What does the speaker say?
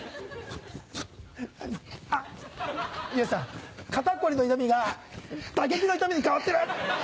あっ美容師さん肩凝りの痛みが打撃の痛みに変わってる！